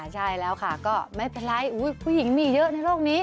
ใช่แล้วค่ะก็ไม่เป็นไรผู้หญิงมีเยอะในโลกนี้